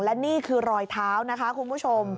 และนี่คือรอยเท้านะคะคุณผู้ชม